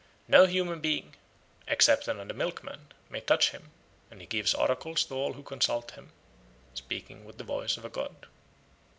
No human being, except another milkman, may touch him; and he gives oracles to all who consult him, speaking with the voice of a god.